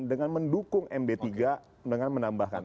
dengan mendukung mb tiga dengan menambahkan